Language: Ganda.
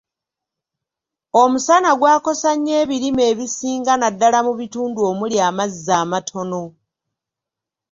Omusana gwakosa nnyo ebirime ebisinga naddala mu bitundu omuli amazzi amatono.